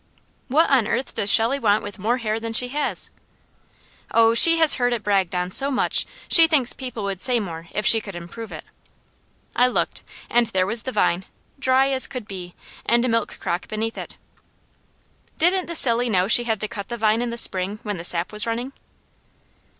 "What on earth does Shelley want with more hair than she has?" "Oh, she has heard it bragged on so much she thinks people would say more if she could improve it." I looked and there was the vine, dry as could be, and a milk crock beneath it. "Didn't the silly know she had to cut the vine in the spring when the sap was running?"